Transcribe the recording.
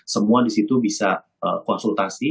semua disitu bisa konsultasi